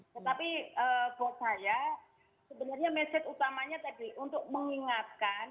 tetapi buat saya sebenarnya mesej utamanya tadi untuk mengingatkan